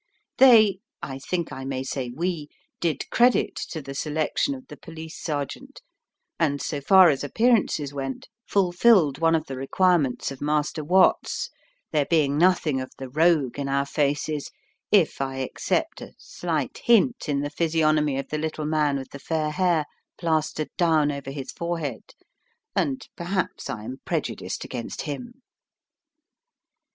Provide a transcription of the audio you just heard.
They I think I may say we did credit to the selection of the police sergeant, and, so far as appearances went, fulfilled one of the requirements of Master Watts, there being nothing of the rogue in our faces, if I except a slight hint in the physiognomy of the little man with the fair hair plastered down over his forehead, and perhaps I am prejudiced against him.